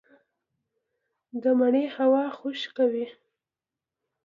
د مني هوا خشکه وي